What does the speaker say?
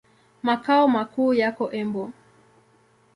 Makao makuu yako Embu.